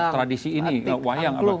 tradisi ini wayang